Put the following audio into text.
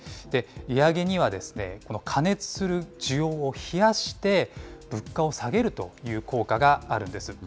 利上げには、過熱する需要を冷やして、物価を下げるという効果があるんです。